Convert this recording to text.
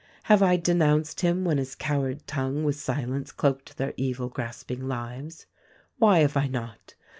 "Have I denounced him when his coward tongue with silence cloaked their evil, grasping lives? "Why have I not?